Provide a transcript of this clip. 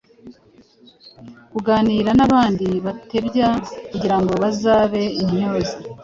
kuganira n’abandi batebya kugira ngo bazabe intyoza.